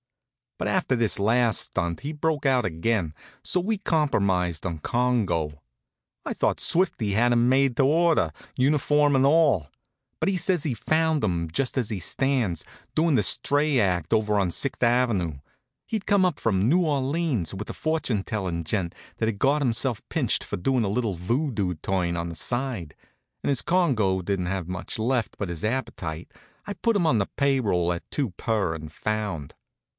But after this last stunt he broke out again; so we compromised on Congo. I thought Swifty'd had him made to order, uniform and all; but he says he found him, just as he stands, doin' the stray act over on Sixth ave. He'd come up from New Orleans with a fortune tellin' gent that had got himself pinched for doing a little voudoo turn on the side, and as Congo didn't have much left but his appetite, I put him on the pay roll at two per and found.